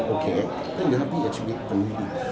โอเคเพื่อนก็ฮัฟพี่กับชีวิตดี